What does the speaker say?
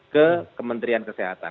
ke kementerian kesehatan